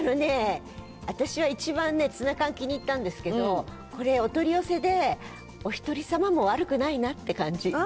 私は一番ね、ツナ缶気に入ったんですけど、これ、お取り寄せでお一人様も悪くないなって感じ。